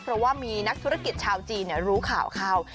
เพราะว่ามีนักธุรกิจชาวจีนรู้ข่าวเข้า